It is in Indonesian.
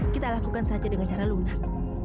kita lakukan saja dengan cara lunak